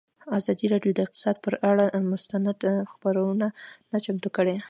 ازادي راډیو د اقتصاد پر اړه مستند خپرونه چمتو کړې.